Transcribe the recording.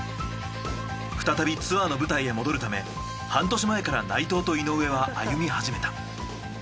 再びツアーの舞台へ戻るため半年前から内藤と井上は歩みはじめた。